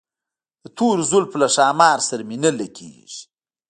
د تورو زلفو له ښامار سره مي نه لګیږي